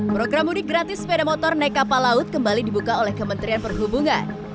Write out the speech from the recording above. program mudik gratis sepeda motor naik kapal laut kembali dibuka oleh kementerian perhubungan